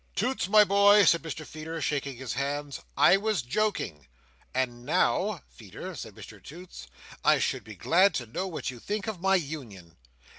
"Toots, my boy," said Mr Feeder, shaking his hands, "I was joking." "And now, Feeder," said Mr Toots, "I should be glad to know what you think of my union."